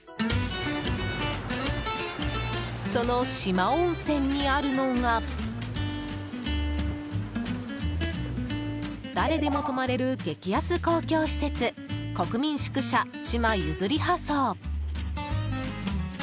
その四万温泉にあるのが誰でも泊まれる激安公共施設国民宿舎四万ゆずりは荘。